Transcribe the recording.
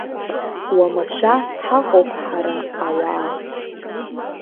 Уамашәа ҳаҟоуп ҳара ауаа.